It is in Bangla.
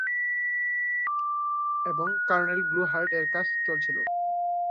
এবং কার্নেল গ্নু হার্ড এর কাজ চলছিল।